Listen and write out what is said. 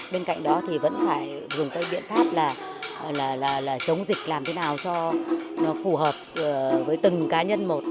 bên cạnh đó thì vẫn phải dùng cái biện pháp là chống dịch làm thế nào cho nó phù hợp với từng cá nhân một